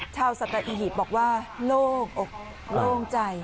ชาวสัตหิบบอกว่าโล่งใจ